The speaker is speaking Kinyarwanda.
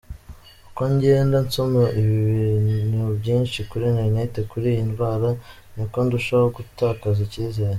Uko ngenda nsoma ibintu byinshi kuri internet kuri iyi ndwara, niko ndushaho gutakaza icyizere.